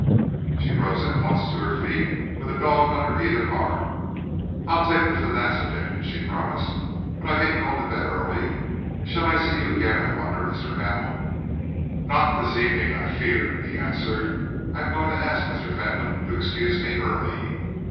She rose at once to her feet, with a dog under either arm. "I'll take the phenacetin," she promised, "but I hate going to bed early. Shall I see you again, I wonder, Mr. Hamel?" "Not this evening, I fear," he answered. "I am going to ask Mr. Fentolin to excuse me early."